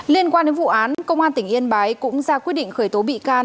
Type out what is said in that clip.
liên quan đến vụ án công an tỉnh yên bái cũng ra quyết định khởi tố bị can